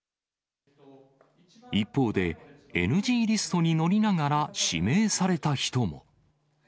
一方で、ＮＧリストに載りながら指名された人も。